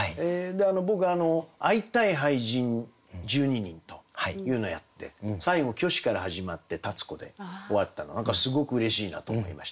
僕「会いたい俳人、１２人」というのをやって最後虚子から始まって立子で終わったの何かすごくうれしいなと思いました。